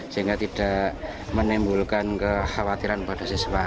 sehingga tidak menimbulkan kekhawatiran pada siswa